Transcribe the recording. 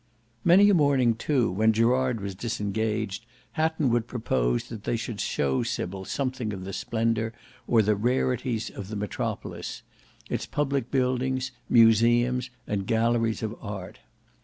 Many a morning too when Gerard was disengaged, Hatton would propose that they should show Sybil something of the splendour or the rarities of the metropolis; its public buildings, museums, and galleries of art.